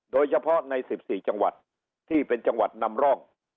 โดยเฉพาะใน๑๔จังหวัดที่เป็นจังหวัดนำร่อง